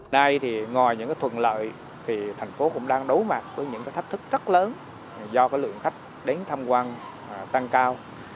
đây thì ngoài những thuận lợi thì thành phố cũng đang đấu mặt với những thách thức rất lớn do lượng khách đến thăm quan tăng cao